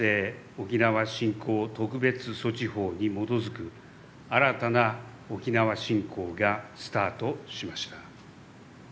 沖縄振興特別措置法に基づく新たな沖縄振興がスタートしました。